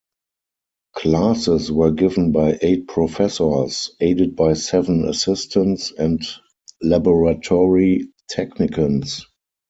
Classes were given by eight professors, aided by seven assistants and laboratory technicians.